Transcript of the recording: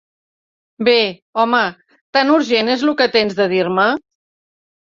- Bé, home, tant urgent és lo que tens de dir-me?